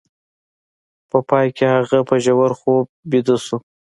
په پای کې هغه په ژور خوب ویده شو